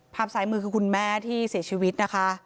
ซ้ายมือคือคุณแม่ที่เสียชีวิตนะคะ